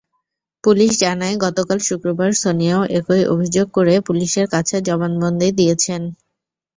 Police জানায়, গতকাল শুক্রবার সোনিয়াও একই অভিযোগ করে পুলিশের কাছে জবানবন্দি দিয়েছেন।